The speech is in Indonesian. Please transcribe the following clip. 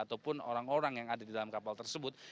ataupun orang orang yang ada di dalam kapal tersebut